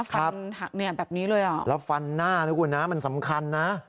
ฟันหักเนี่ยแบบนี้เลยอ่ะแล้วฟันหน้านะคุณนะมันสำคัญนะ